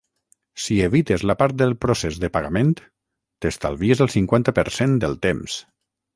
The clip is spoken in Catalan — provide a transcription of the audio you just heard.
Si evites la part del procés de pagament, t’estalvies el cinquanta per cent del temps.